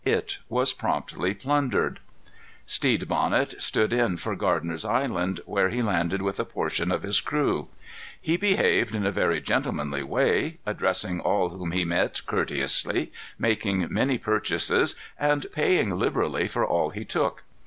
It was promptly plundered. Stede Bonnet stood in for Gardiner's Island, where he landed with a portion of his crew. He behaved in a very gentlemanly way, addressing all whom he met courteously, making many purchases and paying liberally for all he took.